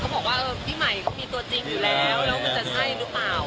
เขาบอกว่าพี่ใหม่เขามีตัวจริงอยู่แล้ว